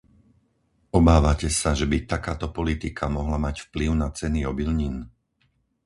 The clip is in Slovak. Obávate sa, že by takáto politika mohla mať vplyv na ceny obilnín?